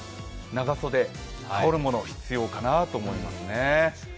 長袖、羽織るものが必要かなと思います。